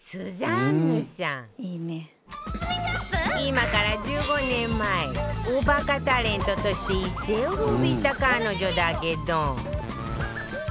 今から１５年前おバカタレントとして一世を風靡した彼女だけど